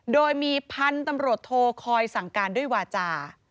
โดยมีพันธุ์ตำรวจโทคอยสั่งการด้วยวาจา